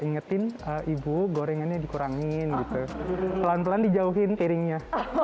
ingetin ibu gorengannya dikurangin gitu pelan pelan dijauhin piringnya